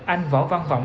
anh võ văn vọng